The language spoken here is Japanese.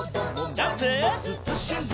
ジャンプ！